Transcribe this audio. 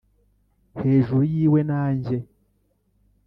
hejuru yiwe na njye.